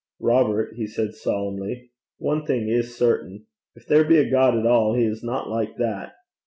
'Robert,' he said solemnly, 'one thing is certain: if there be a God at all, he is not like that.